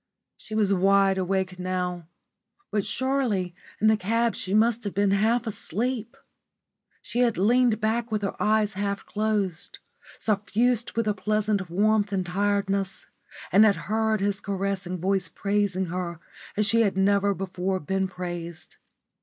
She was wide awake now. But surely in the cab she must have been half asleep. She had leaned back with her eyes half closed, suffused with a pleasant warmth and tiredness, and had heard his caressing voice praising her as she had never before been praised.